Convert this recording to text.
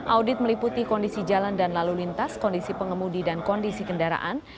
audit meliputi kondisi jalan dan lalu lintas kondisi pengemudi dan kondisi kendaraan